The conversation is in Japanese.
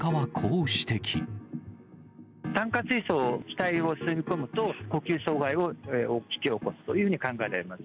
炭化水素を、気体を吸い込むと、呼吸障害を引き起こすというふうに考えられます。